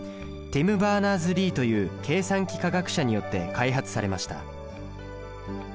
ティム・バーナーズ・リーという計算機科学者によって開発されました。